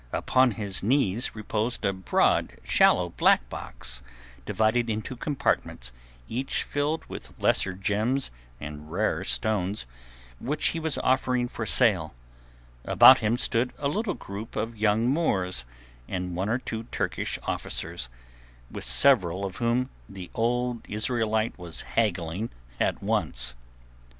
Upon his knees reposed a broad, shallow black box, divided into compartments, each filled with lesser gems and rare stones, which he was offering for sale; about him stood a little group of young Moors and one or two Turkish officers, with several of whom the old Israelite was haggling at once.